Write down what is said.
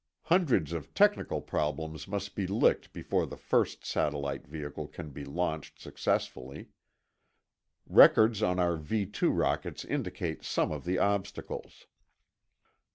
Hundreds of technical problems must be licked before the first satellite vehicle can be launched successfully. Records on our V 2 rockets indicate some of the obstacles.